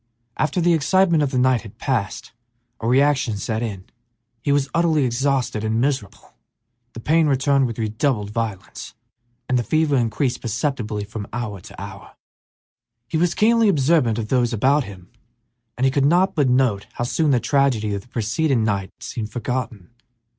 After the excitement of the night had passed a reaction set in; he felt utterly exhausted and miserable, the pain returned with redoubled violence, and the fever increased perceptibly from hour to hour. He was keenly observant of those about him, and he could not but note how soon the tragedy of the preceding night seemed forgotten.